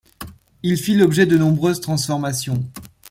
Il fit l'objet de nombreuses transformations.